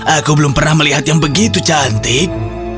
aku belum pernah melihat yang begitu cantik